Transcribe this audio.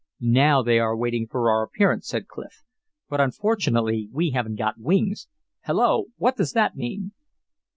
"Now they are waiting for our appearance," said Clif. "But, unfortunately, we haven't got wings. Hello! What does that mean?"